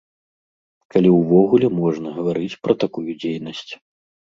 Калі ўвогуле можна гаварыць пра такую дзейнасць.